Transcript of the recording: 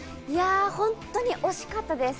本当に惜しかったです。